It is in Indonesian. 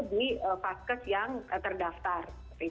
di paskes yang terdaftar